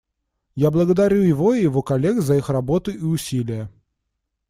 Я благодарю его и его коллег за их работу и усилия.